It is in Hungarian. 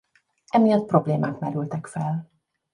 Emiatt problémák merültek fel.